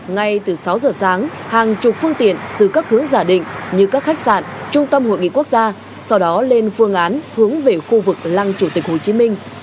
ngay từ sáu giờ sáng hàng chục phương tiện từ các hướng giả định như các khách sạn trung tâm hội nghị quốc gia sau đó lên phương án hướng về khu vực lăng chủ tịch hồ chí minh